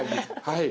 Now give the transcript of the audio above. はい。